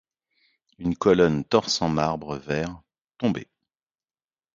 Une colonne torse en marbre vert, tombée